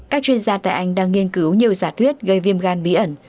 các chuyên gia tại anh đang nghiên cứu nhiều giả thuyết gây viêm gan bí ẩn